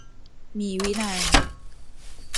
มีวินัย